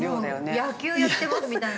◆野球やってますみたいな。